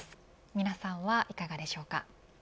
皆さんはいかがでしょうか。